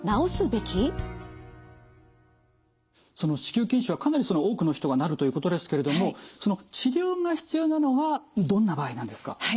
その子宮筋腫はかなり多くの人がなるということですけれどもその治療が必要なのはどんな場合なんですか？